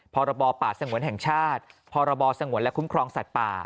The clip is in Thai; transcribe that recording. พรบป่าสงวนแห่งชาติพรบสงวนและคุ้มครองสัตว์ป่า